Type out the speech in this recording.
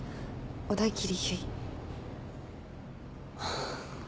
小田切唯。